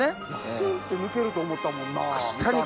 スンって抜けると思ったもんな。